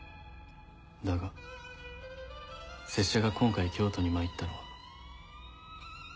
だが拙者が今回京都にまいったのは。